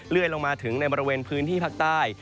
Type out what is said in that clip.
ลงมาถึงในบริเวณพื้นที่ภาคใต้